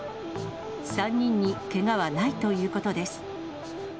３人にけがはないということです。